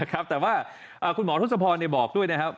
แต่ว่าคุณหมอทศพรบอกด้วยนะครับ